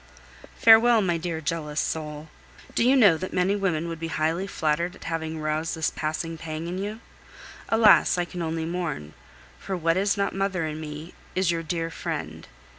Farewell, my dear jealous soul! Do you know that many women would be highly flattered at having roused this passing pang in you? Alas! I can only mourn, for what is not mother in me is your dear friend.